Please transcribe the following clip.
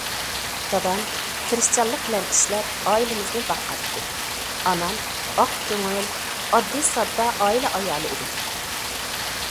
دادام تىرىشچانلىق بىلەن ئىشلەپ ئائىلىمىزنى باقاتتى، ئانام ئاق كۆڭۈل، ئاددىي- سادا ئائىلە ئايالى ئىدى.